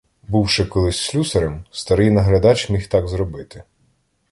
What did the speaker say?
Бувши колись слюсарем, старий наглядач міг так зробити.